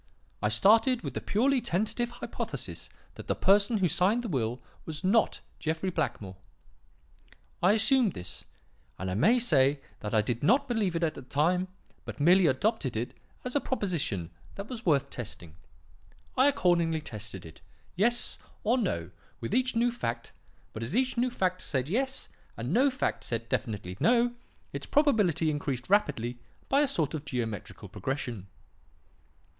I started with the purely tentative hypothesis that the person who signed the will was not Jeffrey Blackmore. I assumed this; and I may say that I did not believe it at the time, but merely adopted it as a proposition that was worth testing. I accordingly tested it, 'Yes?' or 'No?' with each new fact; but as each new fact said 'Yes,' and no fact said definitely 'No,' its probability increased rapidly by a sort of geometrical progression.